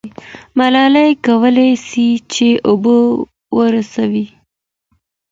ملالۍ کولای سي چې اوبه ورسوي.